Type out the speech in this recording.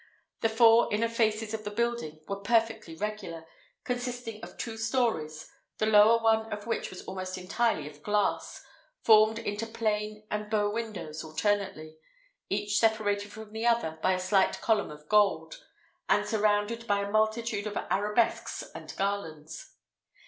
The four inner faces of the building were perfectly regular, consisting of two stories, the lower one of which was almost entirely of glass, formed into plain and bow windows alternately, each separated from the other by a slight column of gold, and surrounded by a multitude of arabesques and garlands.